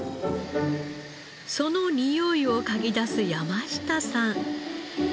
その匂いを嗅ぎだす山下さん。